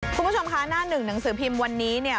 คุณผู้ชมคะหน้าหนึ่งหนังสือพิมพ์วันนี้เนี่ย